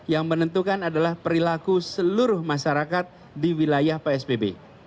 yang menentukan adalah perilaku seluruh masyarakat di wilayah psbb